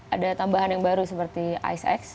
ada tambahan yang baru seperti ice x